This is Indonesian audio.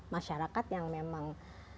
masyarakat yang memang